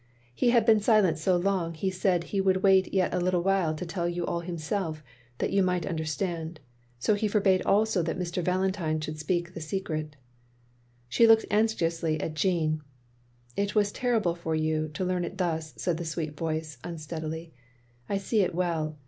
He had been silent so long he said he would wait yet a little while to tell you all himself, that you might understand. So he forbade also that Mr Valentine should speak his secret." She looked anxiously at Jeanne. " It is terrible for you — ^to learn it thus, " said the sweet voice, unsteadily. " I see it well.